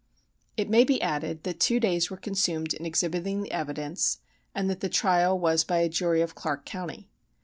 "It may be added that two days were consumed in exhibiting the evidence, and that the trial was by a jury of Clarke County.